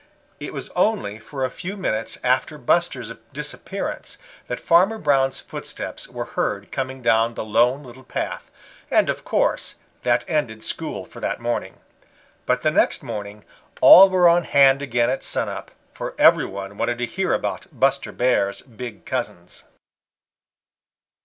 It was only a few minutes after Buster's disappearance that Farmer Brown's footsteps were heard coming down the Lone Little Path, and of course that ended school for that morning. But the next morning all were on hand again at sun up, for every one wanted to hear about Buster Bear's big cousins.